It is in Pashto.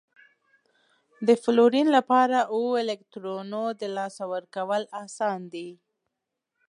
د فلورین لپاره اوو الکترونو د لاسه ورکول اسان دي؟